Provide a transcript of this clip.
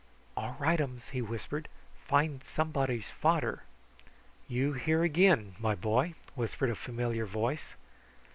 "All rightums!" he whispered. "Find somebody's fader!" "You here again, my boy!" whispered a familiar voice.